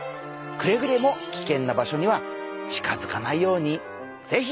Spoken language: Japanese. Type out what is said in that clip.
くれぐれも危険な場所には近づかないようにぜひしてくださいね。